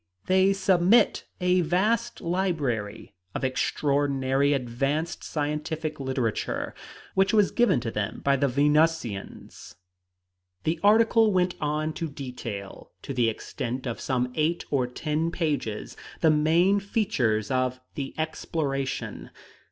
They submit a vast library of extraordinarily advanced scientific literature, which was given to them by the Venusians. The article went on to detail, to the extent of some eight or ten pages, the main features of the exploration.